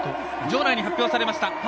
場内に発表されました。